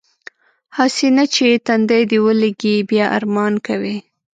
هسې نه چې تندی دې ولږي بیا ارمان کوې.